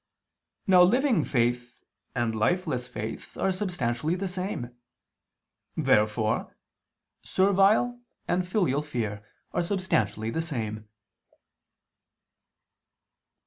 Now living faith and lifeless faith are substantially the same. Therefore servile and filial fear are substantially the same.